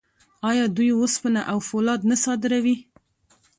آیا دوی وسپنه او فولاد نه صادروي؟